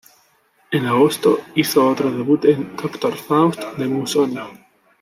En agosto hizo otro debut en "Doktor Faust" de Busoni.